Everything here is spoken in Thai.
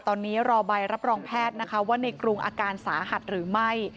ตอนนี้รอใบรับรองแพทย์นะคะว่าในกรุงอาการสาหัสหรือไม่